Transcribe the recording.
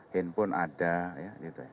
handphone ada ya